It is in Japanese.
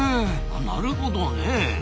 あなるほどねえ。